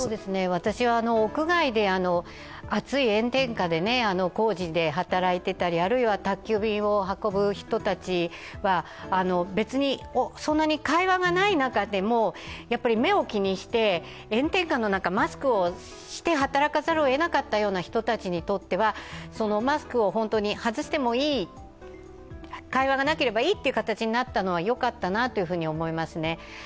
私は屋外で暑い炎天下で工事で働いていたりあるいは宅急便を運ぶ人たちは別にそんなに会話がない中でも、やっぱり目を気にして炎天下の中、マスクをして働かざるをえなかったような人たちにとってはマスクを外してもいい、会話がなければいいという形になったのはよかったなというふうに思いますね。